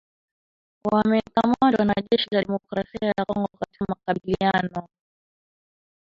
wamekamatwa na jeshi la Demokrasia ya Kongo katika makabiliano